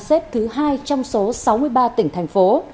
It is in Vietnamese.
xếp thứ hai trong số sáu mươi ba tỉnh thành phố